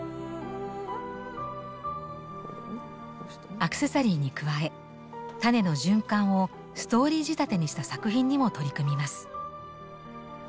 アクセサリーに加え種の循環をストーリー仕立てにした作品にも取り組みます。